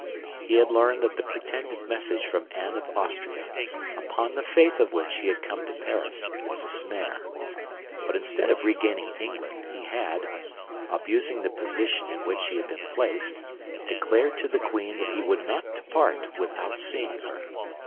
He had learned that the pretended message from Anne of Austria, upon the faith of which he had come to Paris, was a snare; but instead of regaining England, he had, abusing the position in which he had been placed, declared to the queen that he would not depart without seeing her.